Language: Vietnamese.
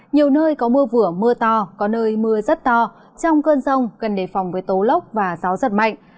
nhiều nơi có mưa vừa mưa to có nơi mưa rất to trong cơn rông cần đề phòng với tố lốc và gió giật mạnh